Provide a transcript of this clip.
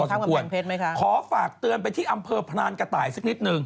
มีทางกำแพงเพชรไหมคะขอฝากเตือนไปที่อำเภอพรานกระต่ายสักนิดนึง